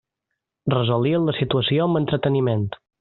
Resolien la situació amb entreteniment.